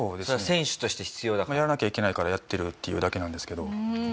選手として必要だから。やらなきゃいけないからやってるっていうだけなんですけど。